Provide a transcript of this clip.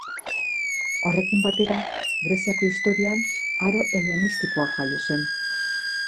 Horrekin batera, Greziako historian Aro Helenistikoa jaio zen.